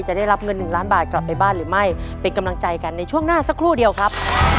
จะได้รับเงินหนึ่งล้านบาทกลับไปบ้านหรือไม่เป็นกำลังใจกันในช่วงหน้าสักครู่เดียวครับ